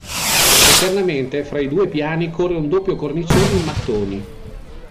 Esternamente, fra i due piani corre un doppio cornicione in mattoni.